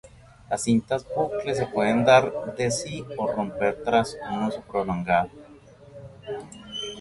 Las cintas bucle se pueden dar de sí o romper tras un uso prolongado.